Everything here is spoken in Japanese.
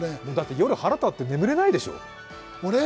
夜、腹立って眠れないでしょう？